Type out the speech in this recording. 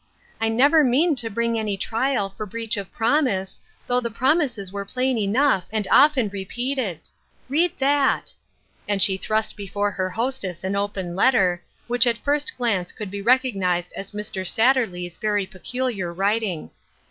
I never mean to bring any trial for breach of prom ise, though the promises were plain enough, and often repeated ; read that," and she thrust before her hostess an open letter, which at first glance could be recognized as Mr. Satterley's very pecul iar writing.